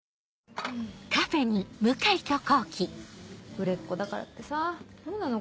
売れっ子だからってさぁどうなの？